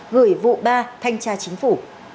gửi vụ ba thanh tra chính phủ